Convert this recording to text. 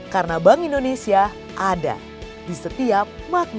karena bank indonesia ada di setiap makna